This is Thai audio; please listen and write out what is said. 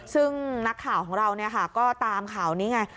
ซึ่งนักข่าวของเราก็ตามข่าวนี้ไง